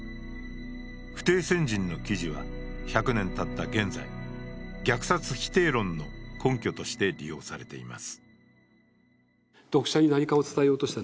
不逞鮮人の記事は１００年たった現在虐殺否定論の根拠として利用されています。